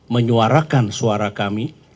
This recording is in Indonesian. menyuarakan suara kami